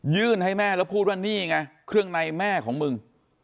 ให้แม่แล้วพูดว่านี่ไงเครื่องในแม่ของมึง